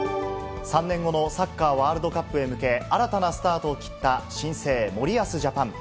３年後のサッカーワールドカップへ向け、新たなスタートを切った、新生森保ジャパン。